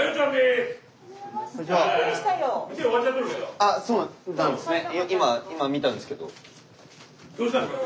あそうなんですね。